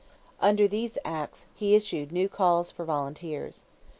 Under these acts, he issued new calls for volunteers.